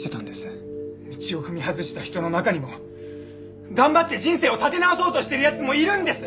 道を踏み外した人の中にも頑張って人生を立て直そうとしてる奴もいるんです！